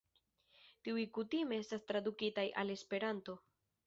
Tiuj kutime estas tradukitaj al Esperanto.